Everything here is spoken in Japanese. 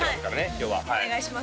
今日ははいお願いします